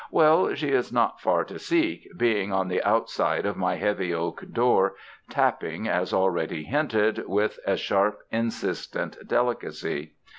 Well, she is not far to seek, being on the outside of my heavy oak door, tapping, as already hinted, with a sharp insistent delicacy.